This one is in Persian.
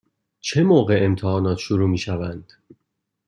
چه موقع امتحانات شروع می شوند؟